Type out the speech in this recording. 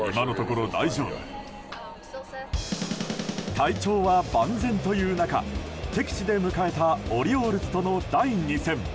体調は万全という中敵地で迎えたオリオールズとの第２戦。